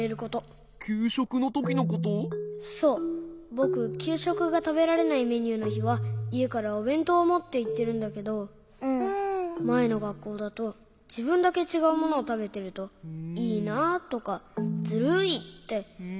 ぼくきゅうしょくがたべられないメニューのひはいえからおべんとうをもっていってるんだけどまえのがっこうだとじぶんだけちがうものをたべてると「いいな」とか「ずるい！」っていわれることがあって。